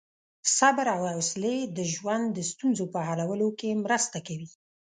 صبر او حوصلې د ژوند د ستونزو په حلولو کې مرسته کوي.